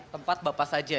tempat bapak saja ya